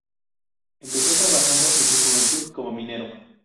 Empezó trabajando en su juventud como minero.